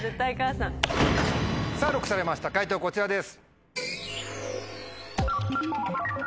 さぁＬＯＣＫされました解答こちらです。